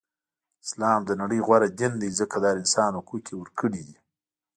اسلام د نړی غوره دین دی ځکه د هر انسان حقوق یی ورکړی دی.